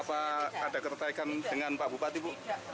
apa ada ketertaikan dengan pak bupati bu